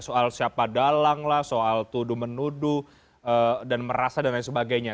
soal siapa dalang lah soal tuduh menuduh dan merasa dan lain sebagainya